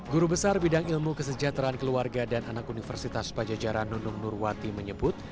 guru besar bidang ilmu kesejahteraan keluarga dan anak universitas pajajaran nunung nurwati menyebut